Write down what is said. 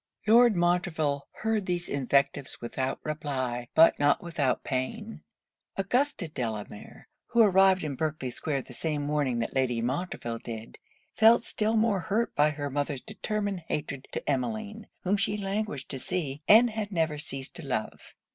Lord Montreville heard these invectives without reply, but not without pain. Augusta Delamere, who arrived in Berkley square the same morning that Lady Montreville did, felt still more hurt by her mother's determined hatred to Emmeline, whom she languished to see, and had never ceased to love.